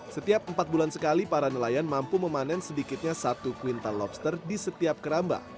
setiap empat bulan sekali para nelayan mampu memanen sedikitnya satu kuintal lobster di setiap keramba